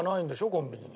コンビニに。